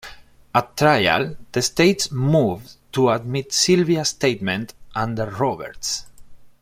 At trial, the state moved to admit Sylvia's statement under "Roberts".